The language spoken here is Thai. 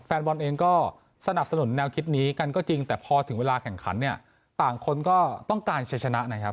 แฟนบอลเองก็สนับสนุนแนวคิดนี้กันก็จริงแต่พอถึงเวลาแข่งขันเนี่ยต่างคนก็ต้องการใช้ชนะนะครับ